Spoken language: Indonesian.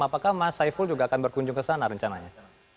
apakah mas saiful juga akan berkunjung ke sana rencananya